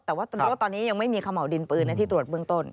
แต่ว่าตอนนี้ยังไม่มีเขม่าวดินปืนที่ตรวจเบื้องต้น